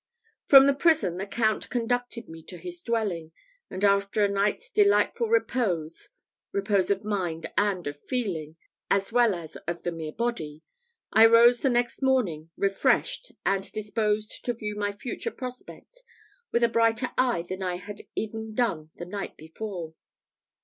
From the prison the Count conducted me to his dwelling; and after a night's delightful repose repose of mind and of feeling, as well as of the mere body I rose the next morning, refreshed, and disposed to view my future prospects with a brighter eye than I had even done the night before.